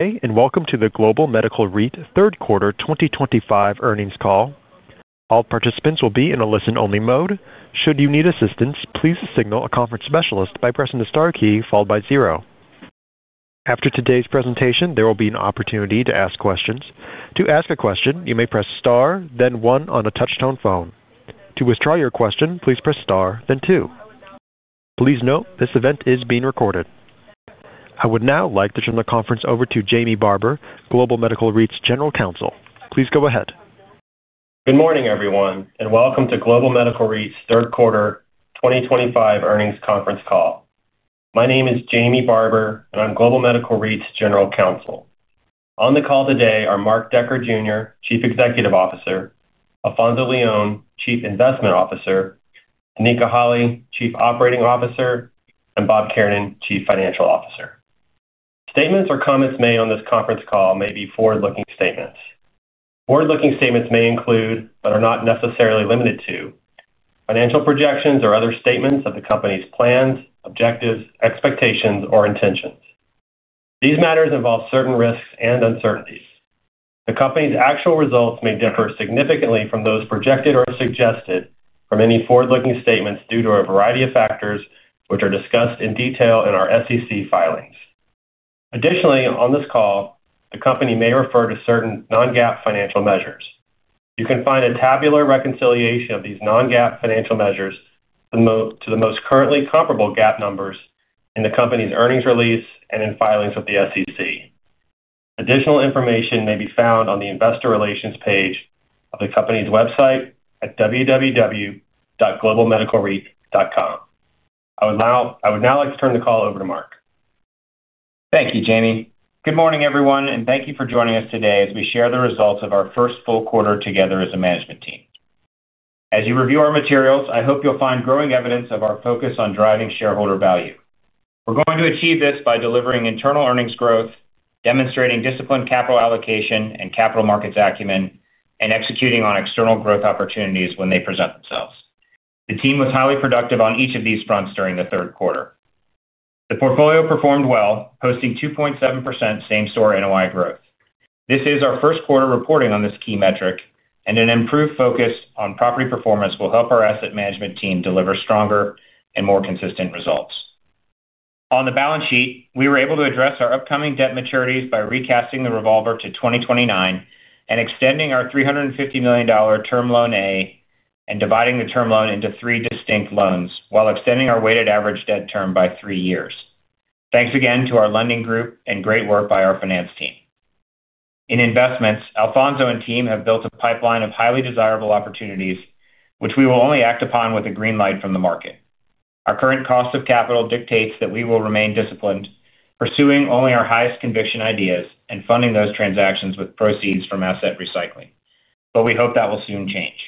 Hey, and welcome to the Global Medical REIT third quarter 2025 earnings call. All participants will be in a listen-only mode. Should you need assistance, please signal a conference specialist by pressing the star key followed by zero. After today's presentation, there will be an opportunity to ask questions. To ask a question, you may press star, then one on a touch-tone phone. To withdraw your question, please press star, then two. Please note this event is being recorded. I would now like to turn the conference over to Jamie Barber, Global Medical REIT's General Counsel. Please go ahead. Good morning, everyone, and welcome to Global Medical REIT's third quarter 2025 earnings conference call. My name is Jamie Barber, and I'm Global Medical REIT's General Counsel. On the call today are Mark Decker, Jr., Chief Executive Officer; Alfonzo Leon, Chief Investment Officer; Danica Holley, Chief Operating Officer; and Bob Kiernan, Chief Financial Officer. Statements or comments made on this conference call may be forward-looking statements. Forward-looking statements may include, but are not necessarily limited to, financial projections or other statements of the company's plans, objectives, expectations, or intentions. These matters involve certain risks and uncertainties. The company's actual results may differ significantly from those projected or suggested from any forward-looking statements due to a variety of factors which are discussed in detail in our SEC filings. Additionally, on this call, the company may refer to certain non-GAAP financial measures. You can find a tabular reconciliation of these non-GAAP financial measures to the most currently comparable GAAP numbers in the company's earnings release and in filings with the SEC. Additional information may be found on the investor relations page of the company's website at www.globalmedicalreit.com. I would now like to turn the call over to Mark. Thank you, Jamie. Good morning, everyone, and thank you for joining us today as we share the results of our first full quarter together as a management team. As you review our materials, I hope you'll find growing evidence of our focus on driving shareholder value. We're going to achieve this by delivering internal earnings growth, demonstrating disciplined capital allocation and capital markets acumen, and executing on external growth opportunities when they present themselves. The team was highly productive on each of these fronts during the third quarter. The portfolio performed well, posting 2.7% same-store NOI growth. This is our first quarter reporting on this key metric, and an improved focus on property performance will help our asset management team deliver stronger and more consistent results. On the balance sheet, we were able to address our upcoming debt maturities by recasting the revolver to 2029 and extending our $350 million term loan A and dividing the term loan into three distinct loans while extending our weighted average debt term by three years. Thanks again to our lending group and great work by our finance team. In investments, Alfonzo and team have built a pipeline of highly desirable opportunities, which we will only act upon with a green light from the market. Our current cost of capital dictates that we will remain disciplined, pursuing only our highest conviction ideas and funding those transactions with proceeds from asset recycling. We hope that will soon change.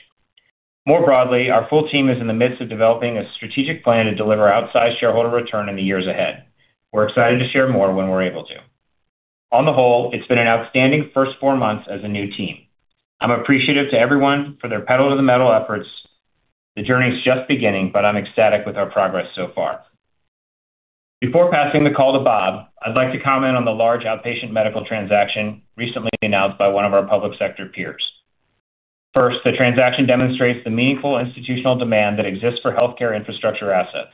More broadly, our full team is in the midst of developing a strategic plan to deliver outsized shareholder return in the years ahead. We're excited to share more when we're able to. On the whole, it's been an outstanding first four months as a new team. I'm appreciative to everyone for their pedal-to-the-metal efforts. The journey is just beginning, but I'm ecstatic with our progress so far. Before passing the call to Bob, I'd like to comment on the large outpatient medical transaction recently announced by one of our public sector peers. First, the transaction demonstrates the meaningful institutional demand that exists for healthcare infrastructure assets,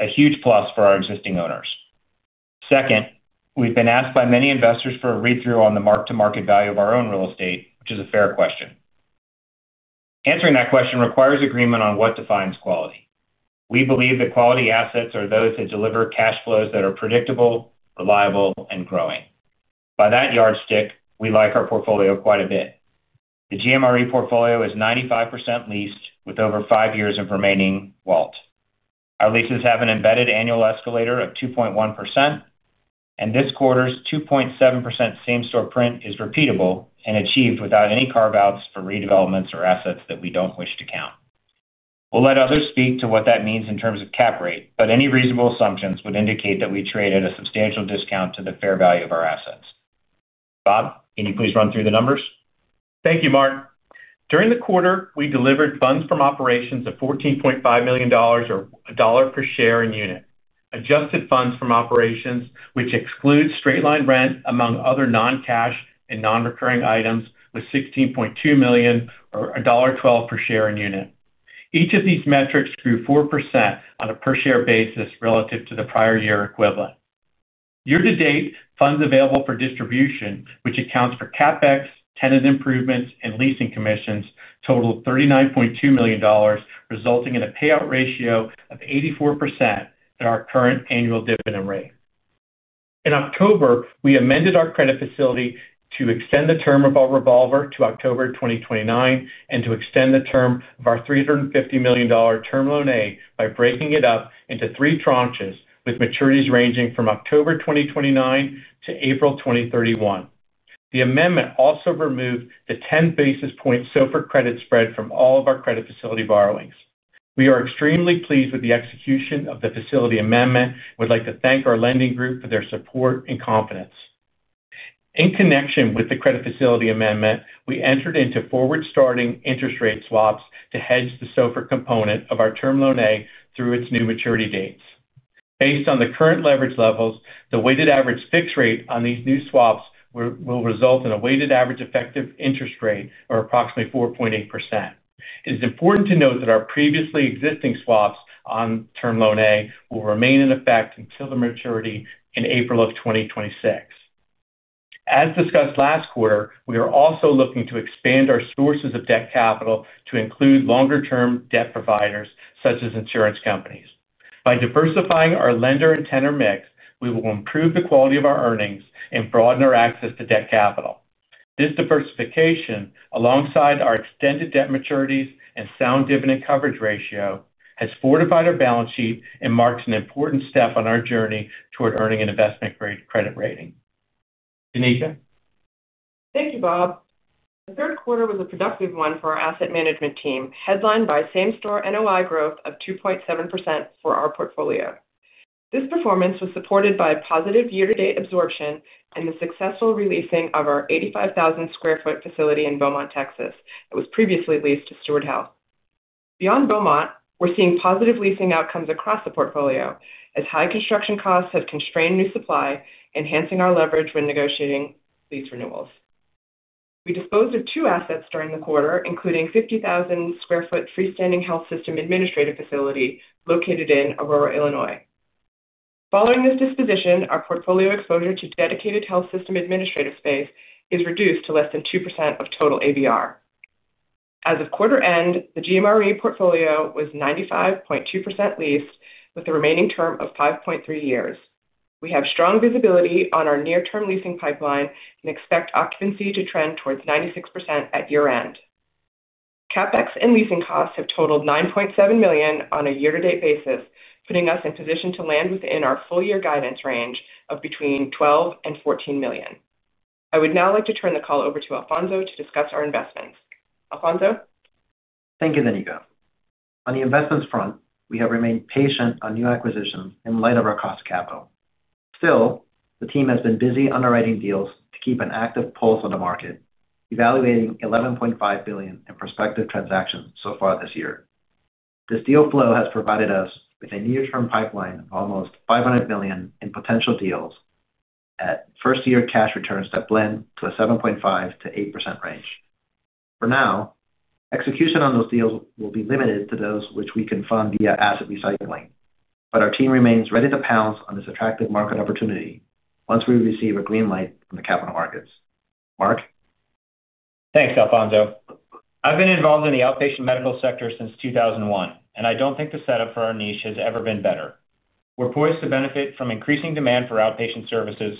a huge plus for our existing owners. Second, we've been asked by many investors for a read-through on the mark-to-market value of our own real estate, which is a fair question. Answering that question requires agreement on what defines quality. We believe that quality assets are those that deliver cash flows that are predictable, reliable, and growing. By that yardstick, we like our portfolio quite a bit. The GMRE portfolio is 95% leased with over five years of remaining WALT. Our leases have an embedded annual escalator of 2.1%. This quarter's 2.7% same-store print is repeatable and achieved without any carve-outs for redevelopments or assets that we do not wish to count. We will let others speak to what that means in terms of cap rate, but any reasonable assumptions would indicate that we traded at a substantial discount to the fair value of our assets. Bob, can you please run through the numbers? Thank you, Mark. During the quarter, we delivered funds from operations of $14.5 million or $1 per share and unit, adjusted funds from operations, which excludes straight-line rent among other non-cash and non-recurring items, was $16.2 million or $1.12 per share and unit. Each of these metrics grew 4% on a per-share basis relative to the prior year equivalent. Year-to-date, funds available for distribution, which accounts for CapEx, tenant improvements, and leasing commissions, totaled $39.2 million, resulting in a payout ratio of 84% at our current annual dividend rate. In October, we amended our credit facility to extend the term of our revolver to October 2029 and to extend the term of our $350 million term loan A by breaking it up into three tranches with maturities ranging from October 2029 to April 2031. The amendment also removed the 10 basis point SOFR credit spread from all of our credit facility borrowings. We are extremely pleased with the execution of the facility amendment and would like to thank our lending group for their support and confidence. In connection with the credit facility amendment, we entered into forward-starting interest rate swaps to hedge the SOFR component of our term loan A through its new maturity dates. Based on the current leverage levels, the weighted average fixed rate on these new swaps will result in a weighted average effective interest rate of approximately 4.8%. It is important to note that our previously existing swaps on term loan A will remain in effect until the maturity in April of 2026. As discussed last quarter, we are also looking to expand our sources of debt capital to include longer-term debt providers such as insurance companies. By diversifying our lender and tenor mix, we will improve the quality of our earnings and broaden our access to debt capital. This diversification, alongside our extended debt maturities and sound dividend coverage ratio, has fortified our balance sheet and marks an important step on our journey toward earning an investment-grade credit rating. Danica. Thank you, Bob. The third quarter was a productive one for our asset management team, headlined by same-store NOI growth of 2.7% for our portfolio. This performance was supported by positive year-to-date absorption and the successful releasing of our 85,000 sq ft facility in Beaumont, Texas, that was previously leased to Steward Health. Beyond Beaumont, we're seeing positive leasing outcomes across the portfolio as high construction costs have constrained new supply, enhancing our leverage when negotiating lease renewals. We disposed of two assets during the quarter, including a 50,000 sq ft freestanding health system administrative facility located in Aurora, Illinois. Following this disposition, our portfolio exposure to dedicated health system administrative space is reduced to less than 2% of total ABR. As of quarter end, the GMRE portfolio was 95.2% leased, with the remaining term of 5.3 years. We have strong visibility on our near-term leasing pipeline and expect occupancy to trend towards 96% at year-end. CapEx and leasing costs have totaled $9.7 million on a year-to-date basis, putting us in position to land within our full-year guidance range of between $12 and $14 million. I would now like to turn the call over to Alfonzo to discuss our investments. Alfonzo? Thank you, Danica. On the investments front, we have remained patient on new acquisitions in light of our cost of capital. Still, the team has been busy underwriting deals to keep an active pulse on the market, evaluating $11.5 billion in prospective transactions so far this year. This deal flow has provided us with a near-term pipeline of almost $500 million in potential deals at first-year cash returns that blend to a 7.5%-8% range. For now, execution on those deals will be limited to those which we can fund via asset recycling, but our team remains ready to pounce on this attractive market opportunity once we receive a green light from the capital markets. Mark. Thanks, Alfonzo. I've been involved in the outpatient medical sector since 2001, and I don't think the setup for our niche has ever been better. We're poised to benefit from increasing demand for outpatient services,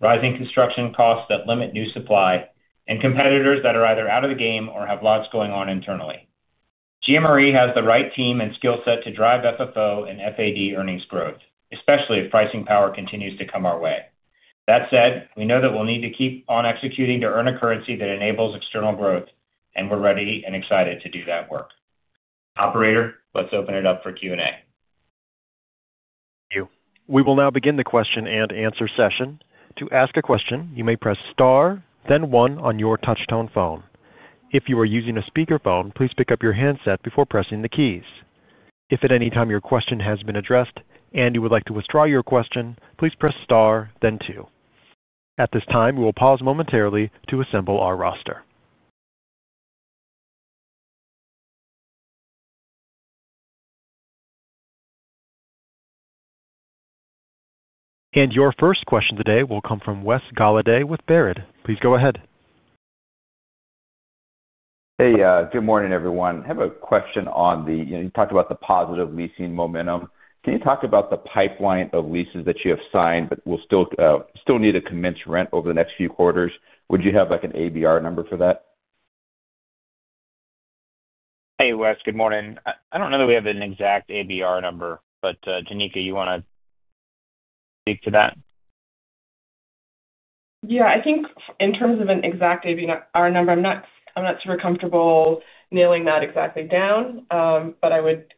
rising construction costs that limit new supply, and competitors that are either out of the game or have lots going on internally. GMRE has the right team and skill set to drive FFO and FAD earnings growth, especially if pricing power continues to come our way. That said, we know that we'll need to keep on executing to earn a currency that enables external growth, and we're ready and excited to do that work. Operator, let's open it up for Q&A. Thank you. We will now begin the question and answer session. To ask a question, you may press star, then one on your touch-tone phone. If you are using a speakerphone, please pick up your handset before pressing the keys. If at any time your question has been addressed and you would like to withdraw your question, please press star, then two. At this time, we will pause momentarily to assemble our roster. Your first question today will come from Wes Golladay with Baird. Please go ahead. Hey, good morning, everyone. I have a question on the—you talked about the positive leasing momentum. Can you talk about the pipeline of leases that you have signed but will still need to commence rent over the next few quarters? Would you have an ABR number for that? Hey, Wes, good morning. I do not know that we have an exact ABR number, but Danica, you want to speak to that? Yeah, I think in terms of an exact ABR number, I'm not super comfortable nailing that exactly down, but I would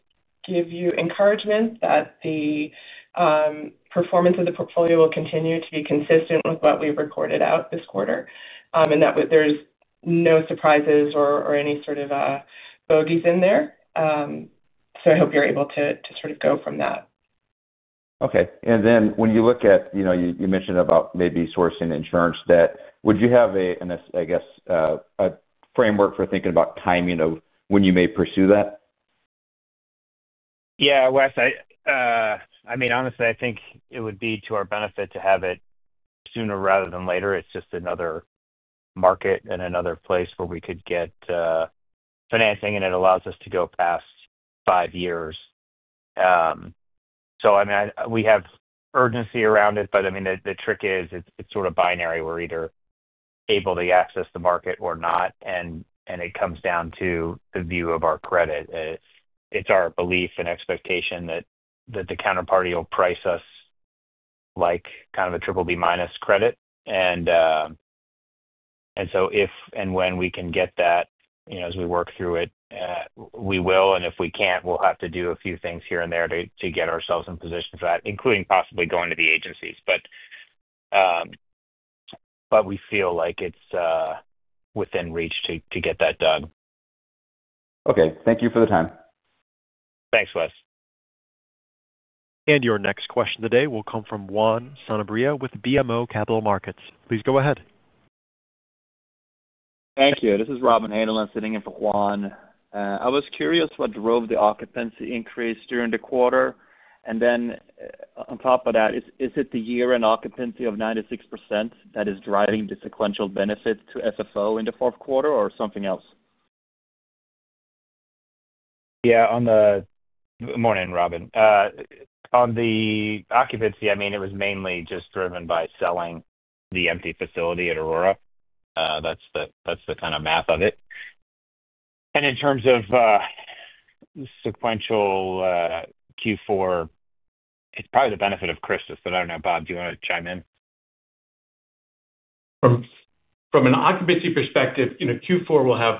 give you encouragement that the performance of the portfolio will continue to be consistent with what we've reported out this quarter and that there's no surprises or any sort of bogeys in there. I hope you're able to sort of go from that. Okay. When you look at—you mentioned about maybe sourcing insurance debt—would you have an, I guess, a framework for thinking about timing of when you may pursue that? Yeah, Wes. I mean, honestly, I think it would be to our benefit to have it sooner rather than later. It's just another market and another place where we could get financing, and it allows us to go past five years. I mean, we have urgency around it, but the trick is it's sort of binary. We're either able to access the market or not, and it comes down to the view of our credit. It's our belief and expectation that the counterparty will price us like kind of a triple B minus credit. If and when we can get that as we work through it, we will. If we can't, we'll have to do a few things here and there to get ourselves in position for that, including possibly going to the agencies. We feel like it's within reach to get that done. Okay. Thank you for the time. Thanks, Wes. Your next question today will come from Juan Sanabria with BMO Capital Markets. Please go ahead. Thank you. This is Robin Haneland sitting in for Juan. I was curious what drove the occupancy increase during the quarter. Then on top of that, is it the year-end occupancy of 96% that is driving the sequential benefits to FFO in the fourth quarter or something else? Yeah. Good morning, Robin. On the occupancy, I mean, it was mainly just driven by selling the empty facility at Aurora. That's the kind of math of it. In terms of sequential Q4, it's probably the benefit of Christmas, but I don't know. Bob, do you want to chime in? From an occupancy perspective, Q4 will have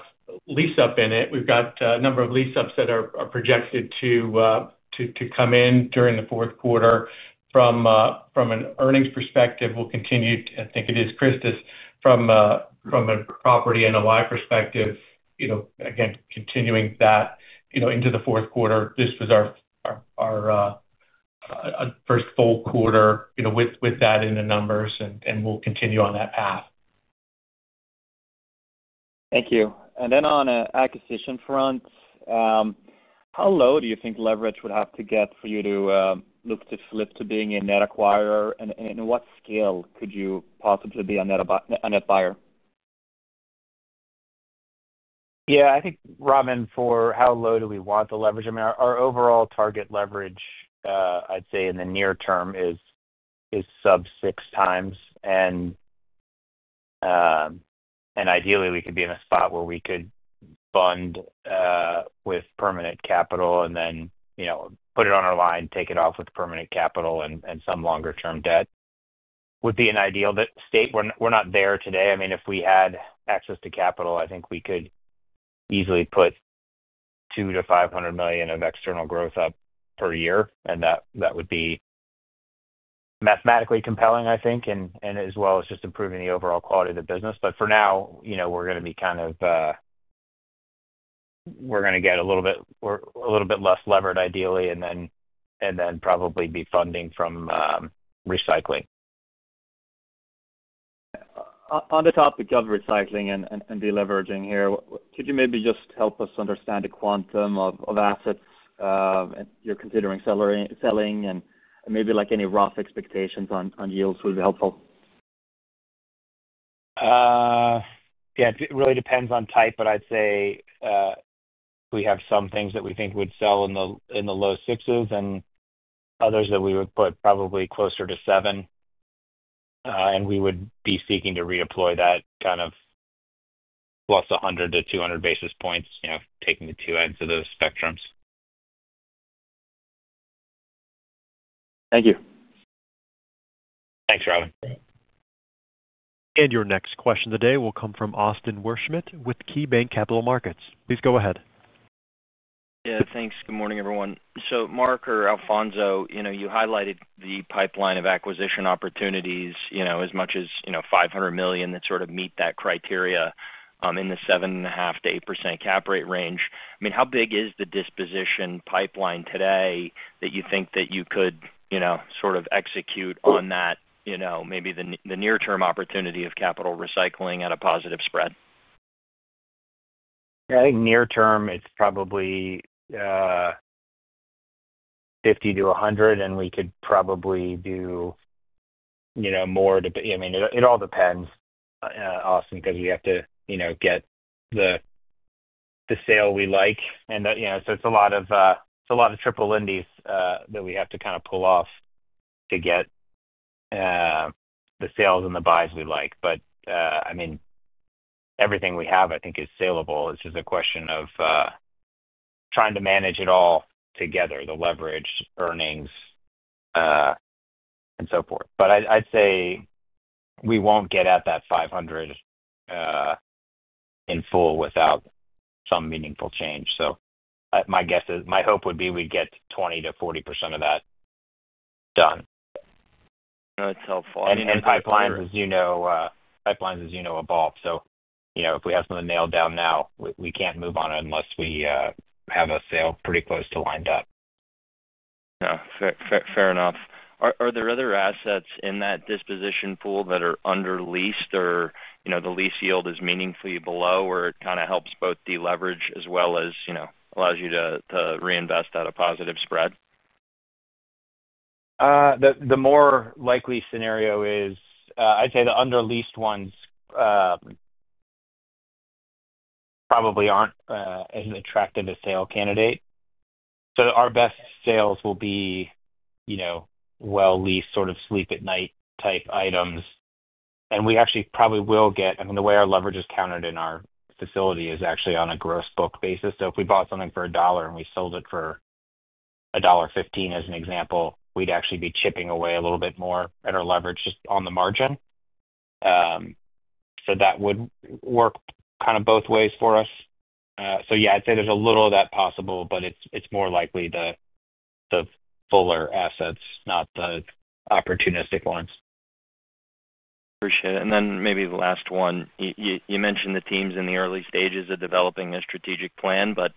lease-up in it. We've got a number of lease-ups that are projected to come in during the fourth quarter. From an earnings perspective, we'll continue—I think it is [Christis]—from a property and NOI perspective, again, continuing that into the fourth quarter. This was our first full quarter with that in the numbers, and we'll continue on that path. Thank you. On an acquisition front, how low do you think leverage would have to get for you to look to flip to being a net acquirer? In what scale could you possibly be a net buyer? Yeah. I think, Robin, for how low do we want the leverage? I mean, our overall target leverage, I'd say in the near term, is sub-six times. Ideally, we could be in a spot where we could bund with permanent capital and then put it on our line, take it off with permanent capital, and some longer-term debt would be an ideal state. We're not there today. I mean, if we had access to capital, I think we could easily put $200 million-$500 million of external growth up per year. That would be mathematically compelling, I think, as well as just improving the overall quality of the business. For now, we're going to be kind of—we're going to get a little bit less levered, ideally, and then probably be funding from recycling. On the topic of recycling and deleveraging here, could you maybe just help us understand the quantum of assets you're considering selling and maybe any rough expectations on yields would be helpful? Yeah. It really depends on type, but I'd say. We have some things that we think would sell in the low 6s and others that we would put probably closer to seven. We would be seeking to redeploy that kind of +100 basis points-200 basis points, taking the two ends of those spectrums. Thank you. Thanks, Robin. Your next question today will come from Austin Wurschmidt with KeyBanc Capital Markets. Please go ahead. Yeah. Thanks. Good morning, everyone. Mark or Alfonzo, you highlighted the pipeline of acquisition opportunities as much as $500 million that sort of meet that criteria in the 7.5%-8% cap rate range. I mean, how big is the disposition pipeline today that you think that you could sort of execute on that, maybe the near-term opportunity of capital recycling at a positive spread? Yeah. I think near-term, it's probably $50 million-$100 million, and we could probably do more to—I mean, it all depends, Austin, because we have to get the sale we like. And so it's a lot of—it's a lot of triple indies that we have to kind of pull off to get the sales and the buys we like. I mean, everything we have, I think, is saleable. It's just a question of trying to manage it all together: the leverage, earnings, and so forth. I'd say we won't get at that $500 million in full without some meaningful change. My hope would be we'd get 20%-40% of that done. That's helpful. Pipelines, as you know, evolve. If we have something nailed down now, we cannot move on it unless we have a sale pretty close to lined up. Yeah. Fair enough. Are there other assets in that disposition pool that are under-leased or the lease yield is meaningfully below where it kind of helps both deleverage as well as allows you to reinvest at a positive spread? The more likely scenario is I'd say the under-leased ones probably aren't as attractive a sale candidate. Our best sales will be well-leased, sort of sleep-at-night type items. I mean, the way our leverage is countered in our facility is actually on a gross book basis. If we bought something for a dollar and we sold it for $1.15, as an example, we'd actually be chipping away a little bit more at our leverage just on the margin. That would work kind of both ways for us. Yeah, I'd say there's a little of that possible, but it's more likely the fuller assets, not the opportunistic ones. Appreciate it. Then maybe the last one, you mentioned the team's in the early stages of developing a strategic plan, but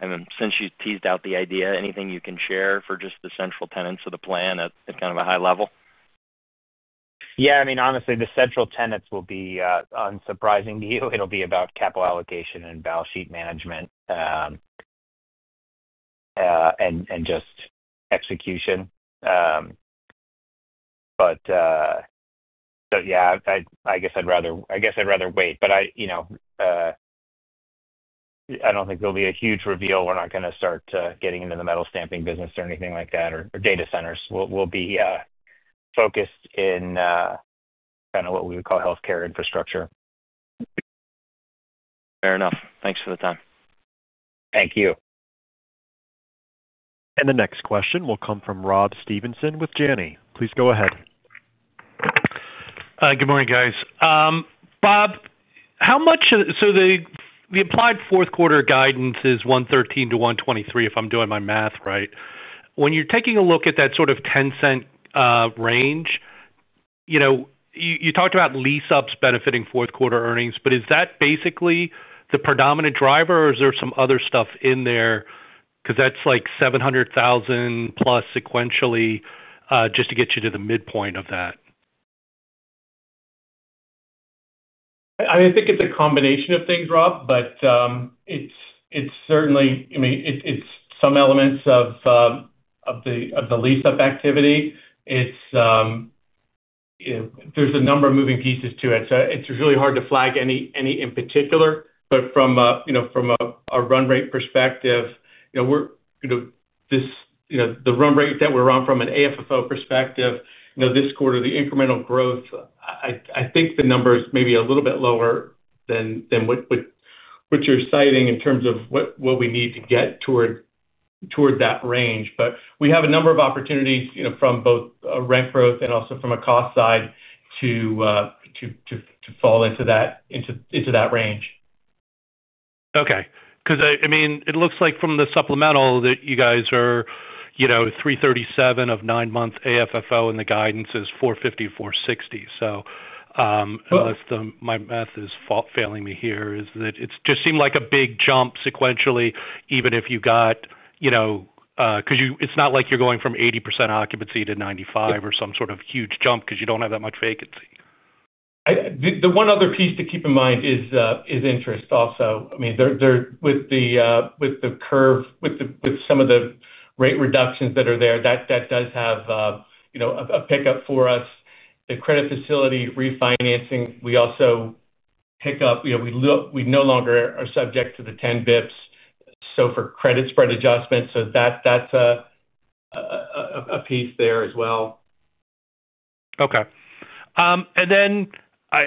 I mean, since you teased out the idea, anything you can share for just the central tenets of the plan at kind of a high level? Yeah. I mean, honestly, the central tenets will be unsurprising to you. It'll be about capital allocation and balance sheet management. And just execution. But yeah, I guess I'd rather—I guess I'd rather wait. But I don't think there'll be a huge reveal. We're not going to start getting into the metal stamping business or anything like that or data centers. We'll be focused in kind of what we would call healthcare infrastructure. Fair enough. Thanks for the time. Thank you. The next question will come from Rob Stevenson with Janney. Please go ahead. Good morning, guys. Bob, how much—so the applied fourth-quarter guidance is $1.13 to $1.23, if I'm doing my math right. When you're taking a look at that sort of 10-cent range. You talked about lease-ups benefiting fourth-quarter earnings, but is that basically the predominant driver, or is there some other stuff in there? Because that's like $700,000 plus sequentially just to get you to the midpoint of that. I mean, I think it's a combination of things, Rob. It's certainly—I mean, it's some elements of the lease-up activity. There's a number of moving pieces to it. It's really hard to flag any in particular, but from a run rate perspective, the run rate that we're on from an AFFO perspective this quarter, the incremental growth, I think the number is maybe a little bit lower than what you're citing in terms of what we need to get toward that range. We have a number of opportunities from both rent growth and also from a cost side to fall into that range. Okay. Because I mean, it looks like from the supplemental that you guys are $0.337 of nine-month AFFO, and the guidance is $0.450-$0.460. So, my math is failing me here, is that it just seemed like a big jump sequentially, even if you got. Because it's not like you're going from 80% occupancy to 95% or some sort of huge jump because you do not have that much vacancy. The one other piece to keep in mind is interest also. I mean, with the curve, with some of the rate reductions that are there, that does have a pickup for us. The credit facility refinancing, we also pick up. We no longer are subject to the 10 basis points SOFR credit spread adjustments, so that's a piece there as well. Okay. And then I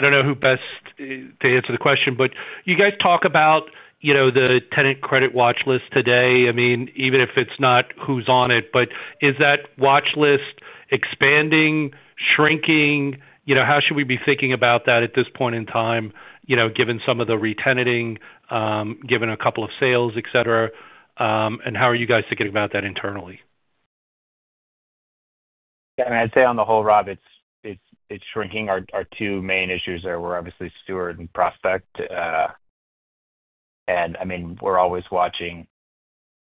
don't know who best to answer the question, but you guys talk about the tenant credit watch list today. I mean, even if it's not who's on it, but is that watch list expanding, shrinking? How should we be thinking about that at this point in time, given some of the retenting, given a couple of sales, etc.? How are you guys thinking about that internally? Yeah. I mean, I'd say on the whole, Rob, it's shrinking. Our two main issues there were obviously Steward and Prospect. I mean, we're always watching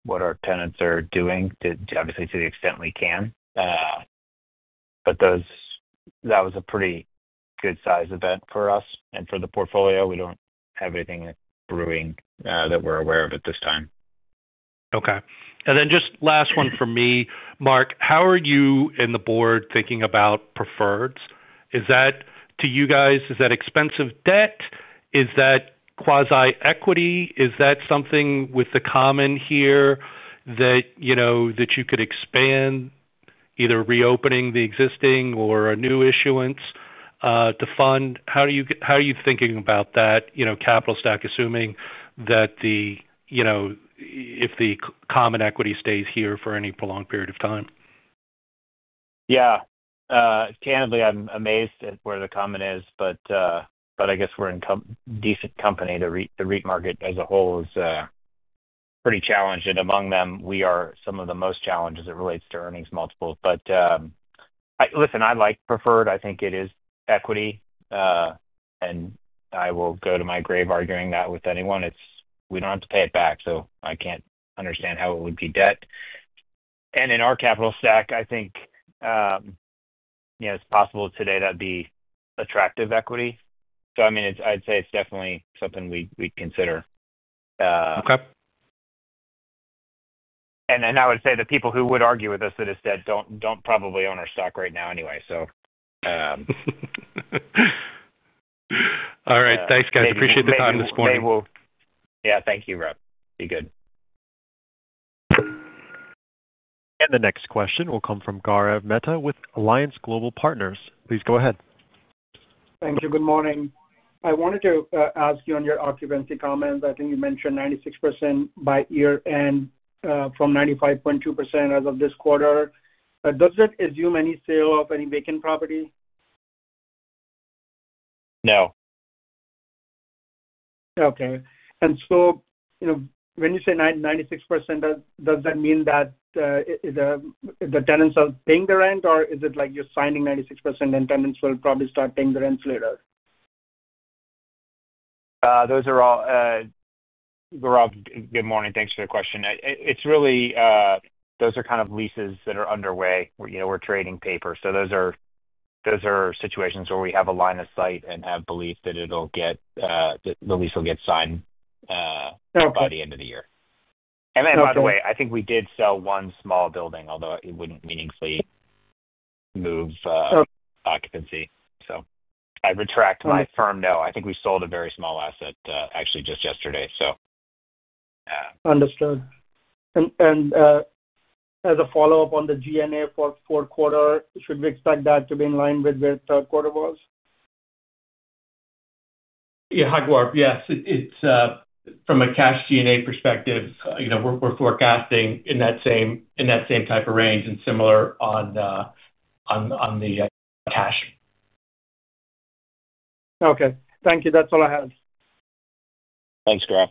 what our tenants are doing, obviously, to the extent we can. That was a pretty good-sized event for us. For the portfolio, we do not have anything brewing that we're aware of at this time. Okay. And then just last one for me. Mark, how are you and the board thinking about preferreds? To you guys, is that expensive debt? Is that quasi-equity? Is that something with the common here that you could expand, either reopening the existing or a new issuance to fund? How are you thinking about that capital stack, assuming that if the common equity stays here for any prolonged period of time? Yeah. Candidly, I'm amazed at where the common is, but I guess we're in decent company. The rate market as a whole is pretty challenged. And among them, we are some of the most challenged as it relates to earnings multiples. Listen, I like preferred. I think it is equity. I will go to my grave arguing that with anyone. We do not have to pay it back, so I cannot understand how it would be debt. In our capital stack, I think it is possible today that would be attractive equity. I mean, I would say it is definitely something we would consider. I would say the people who would argue with us that it is debt do not probably own our stock right now anyway. All right. Thanks, guys. Appreciate the time this morning. Yeah. Thank you, Rob. Be good. The next question will come from Gaurav Mehta with Alliance Global Partners. Please go ahead. Thank you. Good morning. I wanted to ask you on your occupancy comments. I think you mentioned 96% by year-end from 95.2% as of this quarter. Does that assume any sale of any vacant property? No. Okay. And when you say 96%, does that mean that the tenants are paying the rent, or is it like you're signing 96% and tenants will probably start paying the rents later? Those are all. Gaurav good morning. Thanks for the question. It's really. Those are kind of leases that are underway. We're trading paper. Those are situations where we have a line of sight and have belief that it'll get. The lease will get signed by the end of the year. By the way, I think we did sell one small building, although it wouldn't meaningfully move occupancy, so I retract my firm no. I think we sold a very small asset actually just yesterday, so. Understood. As a follow-up on the G&A for fourth quarter, should we expect that to be in line with where the third quarter was? Yeah. Hi, Gaurav. Yes. From a cash G&A perspective, we're forecasting in that same type of range and similar on the cash. Okay. Thank you. That's all I have. Thanks, Gaurav.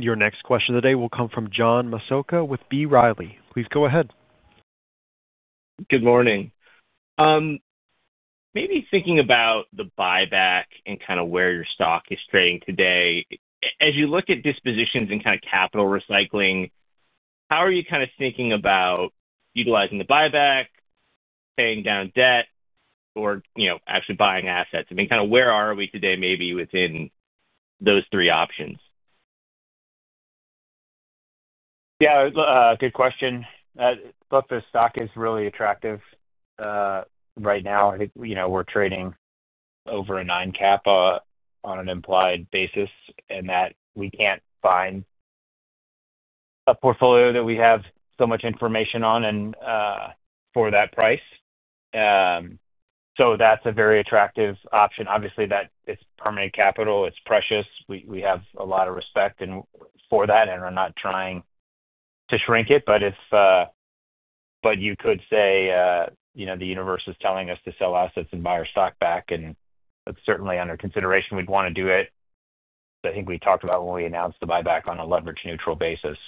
Your next question today will come from John Masoka with B. Riley. Please go ahead. Good morning. Maybe thinking about the buyback and kind of where your stock is trading today, as you look at dispositions and kind of capital recycling, how are you kind of thinking about utilizing the buyback, paying down debt, or actually buying assets? I mean, kind of where are we today maybe within those three options? Yeah. Good question. Look, the stock is really attractive right now. I think we're trading over a 9 cap on an implied basis and that we can't find a portfolio that we have so much information on and for that price. So that's a very attractive option. Obviously, it's permanent capital. It's precious. We have a lot of respect for that and are not trying to shrink it. You could say the universe is telling us to sell assets and buy our stock back. That's certainly under consideration. We'd want to do it. I think we talked about when we announced the buyback on a leverage-neutral basis.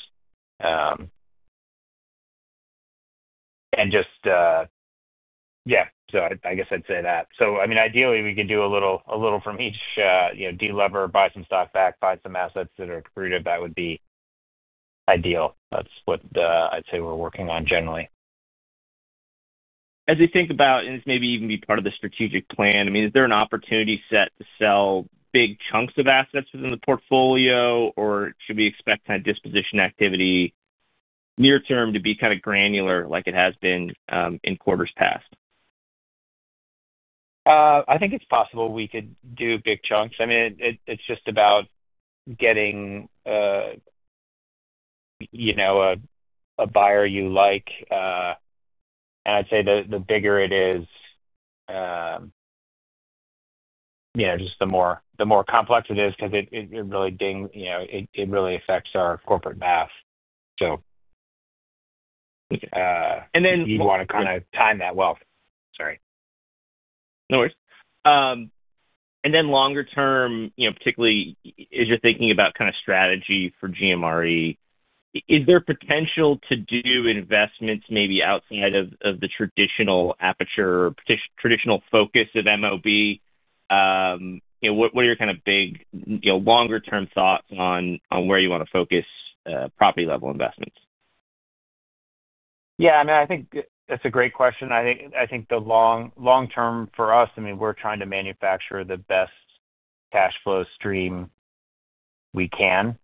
Just, yeah. I guess I'd say that. I mean, ideally, we could do a little from each: delever, buy some stock back, buy some assets that are accrued. That would be ideal. That's what I'd say we're working on generally. As you think about, and this may even be part of the strategic plan, I mean, is there an opportunity set to sell big chunks of assets within the portfolio, or should we expect kind of disposition activity near-term to be kind of granular like it has been in quarters past? I think it's possible we could do big chunks. I mean, it's just about getting a buyer you like. I'd say the bigger it is, just the more complex it is because it really affects our corporate math. You'd want to kind of time that well. Sorry. No worries. Then longer-term, particularly as you're thinking about kind of strategy for GMRE, is there potential to do investments maybe outside of the traditional aperture or traditional focus of MOB? What are your kind of big longer-term thoughts on where you want to focus property-level investments? Yeah. I mean, I think that's a great question. I think the long-term for us, I mean, we're trying to manufacture the best cash flow stream we can.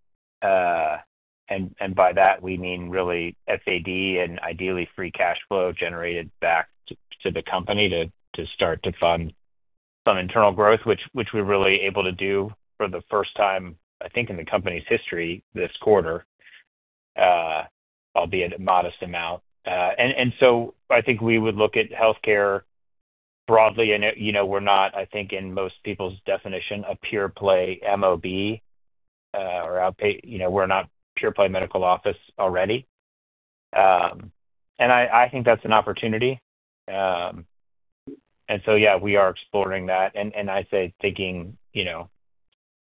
And by that, we mean really FAD and ideally free cash flow generated back to the company to start to fund some internal growth, which we're really able to do for the first time, I think, in the company's history this quarter, albeit a modest amount. I think we would look at healthcare broadly. We're not, I think, in most people's definition, a pure-play MOB, or we're not pure-play medical office already. I think that's an opportunity. Yeah, we are exploring that. I say thinking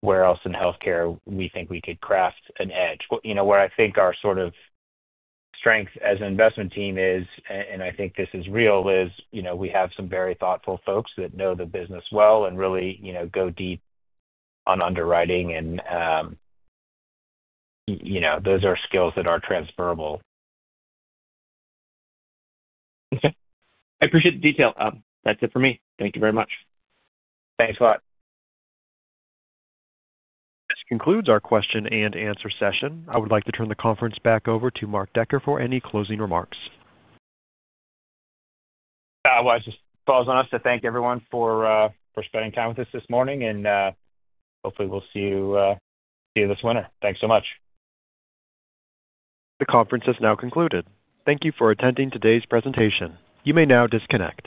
where else in healthcare we think we could craft an edge. What I think our sort of strength as an investment team is, and I think this is real, is we have some very thoughtful folks that know the business well and really go deep on underwriting. Those are skills that are transferable. Okay. I appreciate the detail. That's it for me. Thank you very much. Thanks a lot. This concludes our question-and-answer session. I would like to turn the conference back over to Mark Decker for any closing remarks. It just falls on us to thank everyone for spending time with us this morning. Hopefully, we'll see you this winter. Thanks so much. The conference has now concluded. Thank you for attending today's presentation. You may now disconnect.